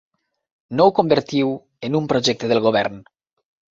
No ho convertiu en un projecte del govern!